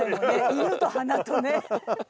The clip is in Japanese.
犬と花とね。